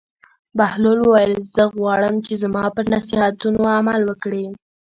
بهلول وویل: زه غواړم چې زما پر نصیحتونو عمل وکړې.